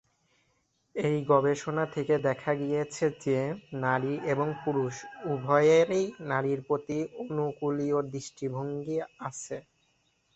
এই গবেষণা থেকে দেখা গিয়েছে যে, নারী এবং পুরুষ উভয়ের নারীর প্রতি অনুকুলীয় দৃষ্টিভঙ্গী আছে।